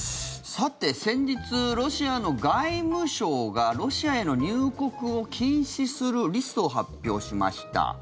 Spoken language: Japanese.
さて、先日ロシアの外務省がロシアへの入国を禁止するリストを発表しました。